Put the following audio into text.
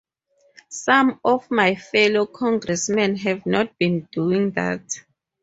Some of my fellow congressmen have not been doing that.